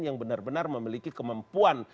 yang benar benar memiliki kemampuan